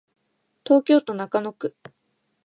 東京都中野区